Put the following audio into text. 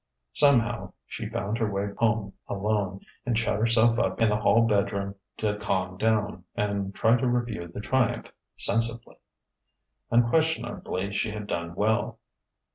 Somehow she found her way home alone, and shut herself up in the hall bedroom to calm down and try to review the triumph sensibly. Unquestionably she had done well.